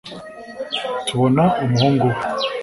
tubona umuhungu we